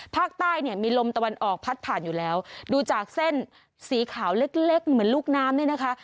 ภาคใต้เนี่ยมีลมตะวันออกพัดผ่านอยู่แล้วดูจากเส้นสีขาวเล็กเล็กเหมือนลูกน้ำเนี่ยนะคะ